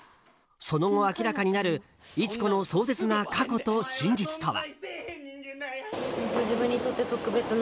その後、明らかになる市子の壮絶な過去と真実とは。